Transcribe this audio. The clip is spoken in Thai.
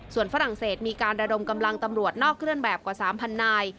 ส่วนฝรั่งเศสมีการระดมกำลังตำรวจนอกเครื่องแบบกว่า๓๐๐นาย